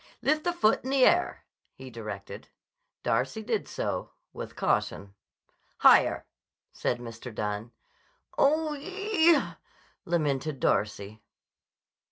"Lift the left foot in the air," he directed. Darcy did so, with caution. "Higher!" said Mr. Dunne. "Oo yee!" lamented Darcy.